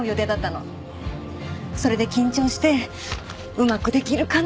それで緊張してうまく出来るかな？